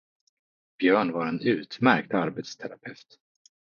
Björn var en utmärkt arbetsterapeut.